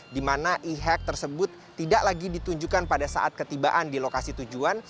di mana e hack tersebut tidak lagi ditunjukkan pada saat ketibaan di lokasi tujuan